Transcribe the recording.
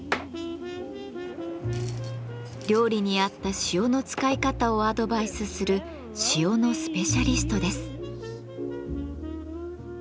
料理に合った塩の使い方をアドバイスする塩のスペシャリストです。